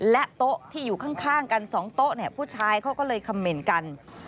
และโต๊ะที่อยู่ข้างกัน๒โต๊ะเนี่ยผู้ชายเขาก็เลยคำเมนต์กัน